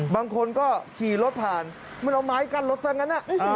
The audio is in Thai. บางคนก็ขี่รถผ่านมันเอาไม้กั้นรถซะงั้น